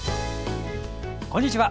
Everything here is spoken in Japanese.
こんにちは。